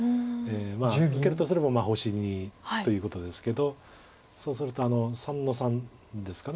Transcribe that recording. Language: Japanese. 受けるとすれば星にということですけどそうすると３の三ですか。